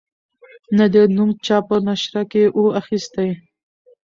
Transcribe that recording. نه دي نوم چا په نشره کی وو اخیستی